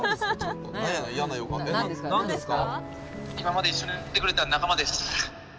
何ですか？